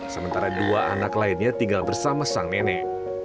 sementara dua anak lainnya tinggal bersama sang nenek